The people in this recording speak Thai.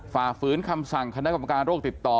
ฝ่าฝืนคำสั่งคณะกรรมการโรคติดต่อ